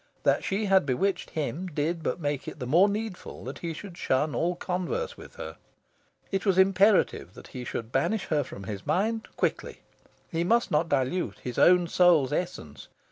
That she had bewitched him did but make it the more needful that he should shun all converse with her. It was imperative that he should banish her from his mind, quickly. He must not dilute his own soul's essence.